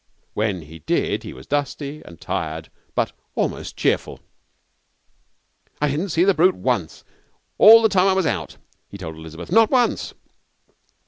When he did he was dusty and tired, but almost cheerful. 'I didn't see the brute once all the time I was out,' he told Elizabeth. 'Not once!'